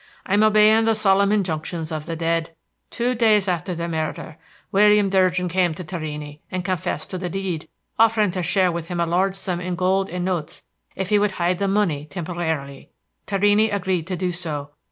I am obeying the solemn injunctions of the dead. Two days after the murder William Durgin came to Torrini and confessed the deed, offering to share with him a large sum in gold and notes if he would hide the money temporarily. Torrini agreed to do so.